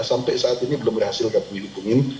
sampai saat ini belum berhasil kami hubungin